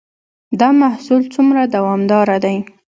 دا محصول څومره دوامدار دی؟